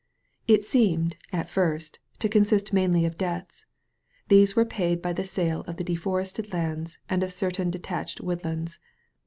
It seemed, at first, to consist mainly of debts. These were paid by the sale of the deforested lands and of certain detached woodlands.